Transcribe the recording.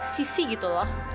sisi gitu loh